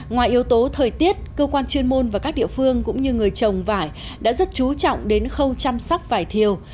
ngoài yếu tố thời tiết cơ quan chuyên môn và các địa phương cũng như người trồng vải đã rất chú trọng đến khâu chăm sóc vải thiều